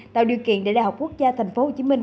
tạo điều kiện để đại học quốc gia thành phố hồ chí minh